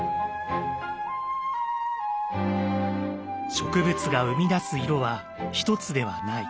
植物が生み出す色は一つではない。